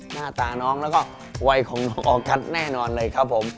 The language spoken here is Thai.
หน้าตาน้องแล้วก็วัยของน้องออกัสแน่นอนเลยครับผม